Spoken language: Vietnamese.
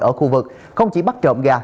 ở khu vực không chỉ bắt trộm gà